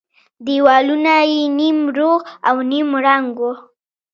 دېوالونه يې نيم روغ او نيم ړنگ وو.